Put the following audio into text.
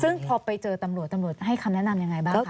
ซึ่งพอไปเจอตำรวจตำรวจให้คำแนะนำยังไงบ้างคะ